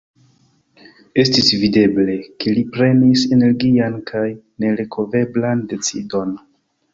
Estis videble, ke li prenis energian kaj nerevokeblan decidon.